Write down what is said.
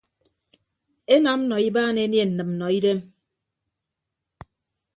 Enam nọ ibaan enie nnịmnnọidem.